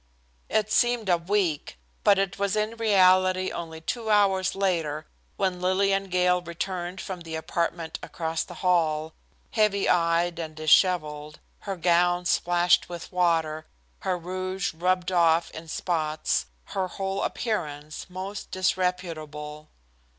It seemed a week, but it was in reality only two hours later when Lillian Gale returned from the apartment across the hall, heavy eyed and dishevelled, her gown splashed with water, her rouge rubbed off in spots, her whole appearance most disreputable.